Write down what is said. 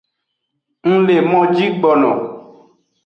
Ng le moji gbono.